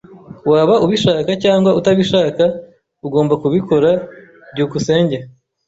Waba ubishaka cyangwa utabishaka, ugomba kubikora. byukusenge